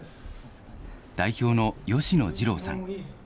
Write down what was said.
代表の吉野次郎さん。